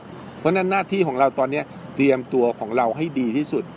เพราะฉะนั้นหน้าที่ของเราตอนนี้เตรียมตัวของเราให้ดีที่สุด